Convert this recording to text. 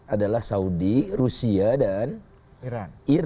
adalah saudi rusia dan iran